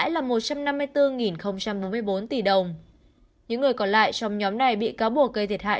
những người còn lại trong nhóm này bị cáo buộc gây thiệt hại